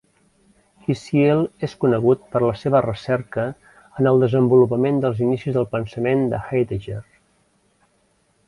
Kisiel és conegut per la seva recerca en el desenvolupament dels inicis del pensament de Heidegger.